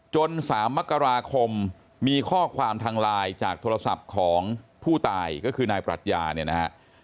๓มกราคมมีข้อความทางไลน์จากโทรศัพท์ของผู้ตายก็คือนายปรัชญาเนี่ยนะฮะ